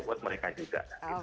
buat mereka juga